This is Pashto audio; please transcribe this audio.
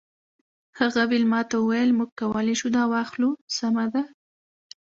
هغه ویلما ته وویل موږ کولی شو دا واخلو سمه ده